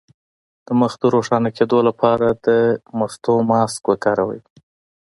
د مخ د روښانه کیدو لپاره د مستو ماسک وکاروئ